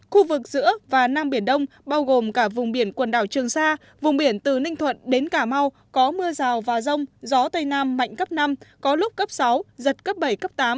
khu vực giữa và nam biển đông bao gồm cả vùng biển quần đảo trường sa vùng biển từ ninh thuận đến cà mau có mưa rào và rông gió tây nam mạnh cấp năm có lúc cấp sáu giật cấp bảy cấp tám